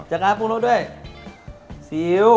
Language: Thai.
จะกล้าปรูงรสด้วยซีเอียว